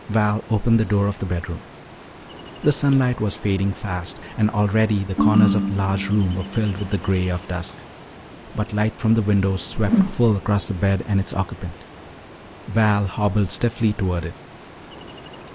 Val opened the door of the bedroom. The sunlight was fading fast and already the corners of the large room were filled with the gray of dusk. But light from the windows swept full across the bed and its occupant. Val hobbled stiffly toward it.